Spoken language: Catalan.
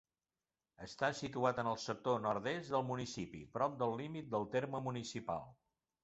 Està situat en el sector nord-est del municipi, prop del límit del terme municipal.